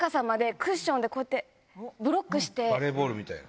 バレーボールみたいに。